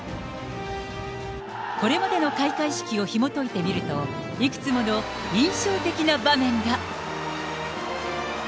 これまでの開会式をひもといてみると、いくつもの印象的な場面が。